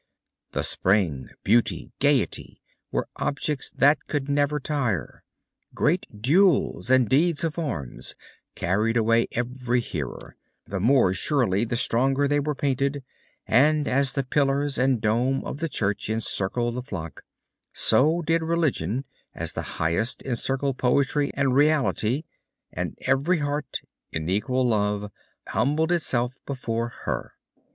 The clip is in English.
The Spring, Beauty, Gaiety, were objects that could never tire; great duels and deeds of arms carried away every hearer, the more surely the stronger they were painted; and as the pillars and dome of the Church encircled the flock, so did Religion, as the Highest, encircle Poetry and Reality; and every heart, in equal love, humbled itself before her."